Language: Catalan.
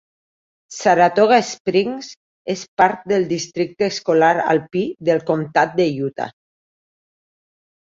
Saratoga Springs és part del districte escolar alpí del comtat de Utah.